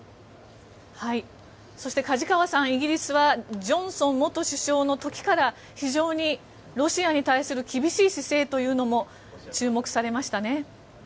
そして梶川さんイギリスはジョンソン元首相の時から非常にロシアに対する厳しい姿勢というのも注目されましたね。